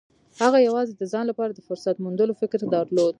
هغه يوازې د ځان لپاره د فرصت موندلو فکر درلود.